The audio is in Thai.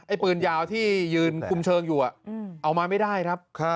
ปืนยาวที่ยืนคุมเชิงอยู่เอามาไม่ได้ครับ